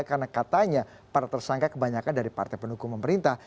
karena katanya para tersangka kebanyakan dari partai penuh hukum pemerintah